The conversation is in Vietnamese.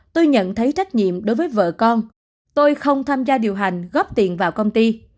tôi nhận thấy trách nhiệm đối với vợ con tôi không tham gia điều hành góp tiền vào công ty